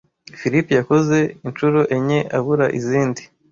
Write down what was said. Philip yakoze inshuro enye abura izindi.